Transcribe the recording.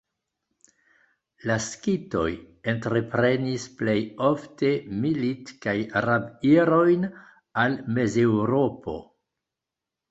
La skitoj entreprenis plej ofte milit- kaj rab-irojn al Mezeŭropo.